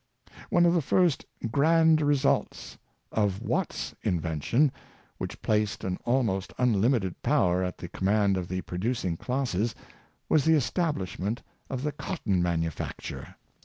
One of the first grand results of Watt's invention — which placed an almost unlimited power at the com mand of the producing classes — was the establishment of the cotton manufacture.